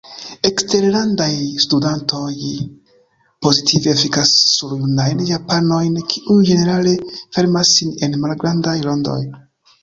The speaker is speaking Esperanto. Eksterlandaj studantoj pozitive efikas sur junajn japanojn, kiuj ĝenerale fermas sin en malgrandaj rondoj.